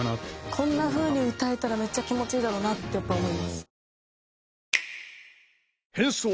こんな風に歌えたらめっちゃ気持ちいいだろうなってやっぱ思います。